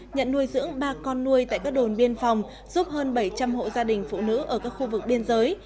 nhận nuôi dưỡng ba con nuôi tại các đồn biên phòng giúp hơn bảy trăm linh hộ gia đình phụ nữ ở các khu vực biên giới